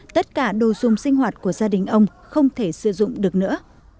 tất cả đồ dùng sinh hoạt của gia đình ông không thể sử dụng được nữa